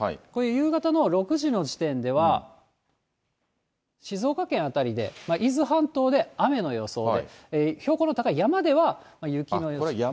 これ、夕方の６時の時点では、静岡県辺りで、伊豆半島で雨の予想で、標高の高い山では、雪の予想。